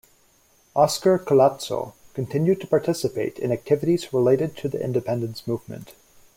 Oscar Collazo continued to participate in activities related to the independence movement.